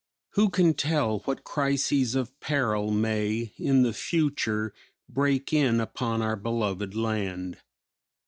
Who can tell what crises of peril may in the future break in upon our beloved land?